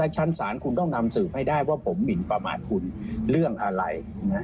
ชั้นศาลคุณต้องนำสืบให้ได้ว่าผมหมินประมาทคุณเรื่องอะไร